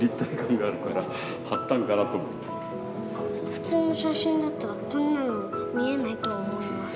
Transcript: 普通の写真だったらこんなの見えないと思います。